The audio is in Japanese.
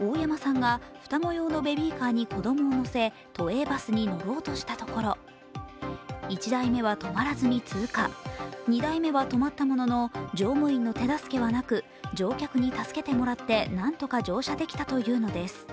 大山産が双子用のベビーカーに子供を乗せ、都営バスに乗ろうとしたところ１台目は止まらずに通過２台目は止まったものの乗務員の手助けはなく乗客に助けてもらって何とか乗車できたというのです。